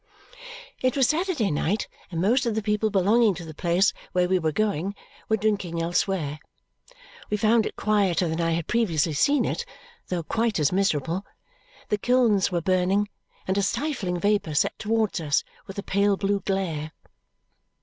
It was Saturday night, and most of the people belonging to the place where we were going were drinking elsewhere. We found it quieter than I had previously seen it, though quite as miserable. The kilns were burning, and a stifling vapour set towards us with a pale blue glare.